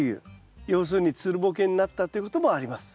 要するにつるボケになったということもあります。